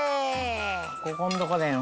ここんとこだよ。